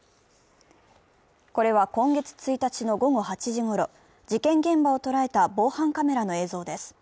これは今月１日の午後８時ごろ、事件現場を捉えた防犯カメラの映像です。